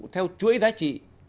theo chuỗi giá trị